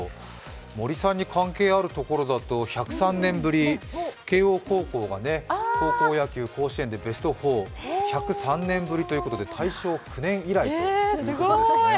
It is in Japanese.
森さんに関係あるところだと１０３年ぶり、慶応高校が甲子園野球でベスト４、１０３年ぶりということで大正９年以来ということです。